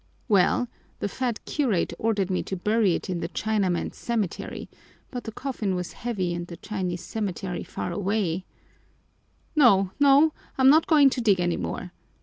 Well, the fat curate ordered me to bury it in the Chinamen's cemetery, but the coffin was heavy and the Chinese cemetery far away " "No, no! I'm not going to dig any more!"